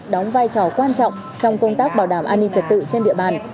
đóng vai trò quan trọng trong công tác bảo đảm an ninh trật tự trên địa bàn